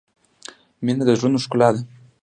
• مینه د زړونو ښکلا ده.